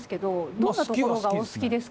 どんなところがお好きですか？